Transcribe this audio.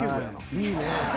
いいね。